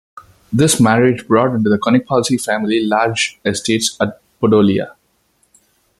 This marriage brought into the Koniecpolscy family large estates at Podolia.